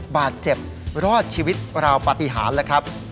บาดเจ็บรอดชีวิตราวปฏิหารแล้วครับ